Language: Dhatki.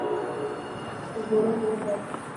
اي گهوڙو تيز هي.